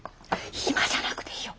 今じゃなくていいよ。